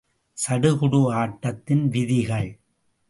சடுகுடு ஆட்டத்தின் விதிகள் ….